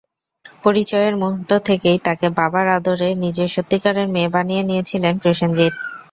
পরিচয়ের মুহূর্ত থেকেই তাকে বাবার আদরে নিজের সত্যিকারের মেয়ে বানিয়ে নিয়েছিলেন প্রসেনজিৎ।